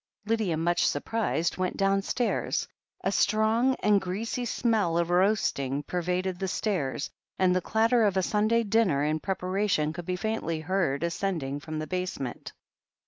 Lydia, much surprised, went downstairs. A strong and greasy smell of roasting pervaded the stairs, and the clatter of a Sunday dinner in prepara tion could be faintly heard ascending from the base ment.